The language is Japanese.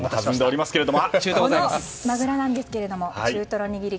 このマグロなんですが中トロ握り